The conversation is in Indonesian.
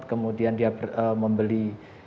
kemudian dia membeli